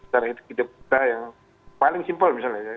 dari hidup kita yang paling simpel misalnya